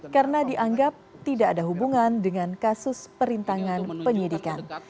karena dianggap tidak ada hubungan dengan kasus perintangan penyidikan